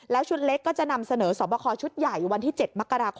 แล้วชุดเล็กก็จะนำเสนอสอบคอชุดใหญ่วันที่๗มกราคม